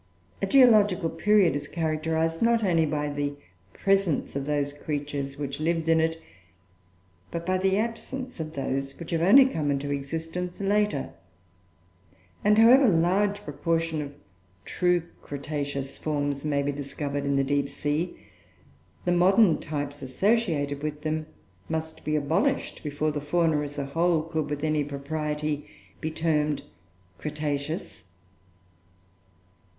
A geological period is characterized not only by the presence of those creatures which lived in it, but by the absence of those which have only come into existence later; and, however large a proportion of true cretaceous forms may be discovered in the deep sea, the modern types associated with them must be abolished before the Fauna, as a whole, could, with any propriety, be termed Cretaceous.